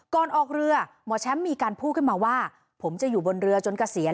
ออกเรือหมอแชมป์มีการพูดขึ้นมาว่าผมจะอยู่บนเรือจนเกษียณ